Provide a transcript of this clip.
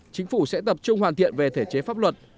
chính phủ sẽ tập trung hoàn thiện về thể chế pháp luật